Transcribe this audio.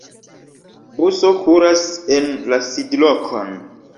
Buso kuras en la sidlokon.